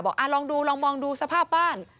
ลองดูลองมองดูสภาพบ้าน